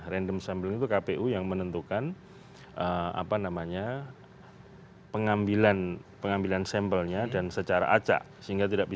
random sampling itu kpu yang menentukan apa namanya pengambilan sampelnya dan secara acak sehingga tidak bisa